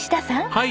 はい。